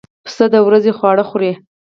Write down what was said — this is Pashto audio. پسه د ورځې خواړه خوري.